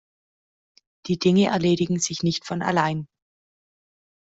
Die Dinge erledigen sich nicht von allein.